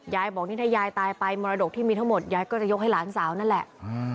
บอกนี่ถ้ายายตายไปมรดกที่มีทั้งหมดยายก็จะยกให้หลานสาวนั่นแหละ